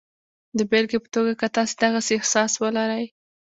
د بېلګې په توګه که تاسې د غسې احساس ولرئ